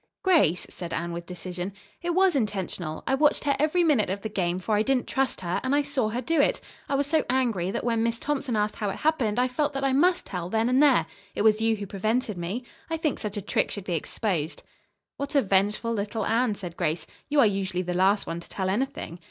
"Grace," said Anne with decision, "it was intentional. I watched her every minute of the game, for I didn't trust her, and I saw her do it. I was so angry that when Miss Thompson asked how it happened I felt that I must tell, then and there. It was you who prevented me. I think such a trick should be exposed." "What a vengeful little Anne," said Grace. "You are usually the last one to tell anything."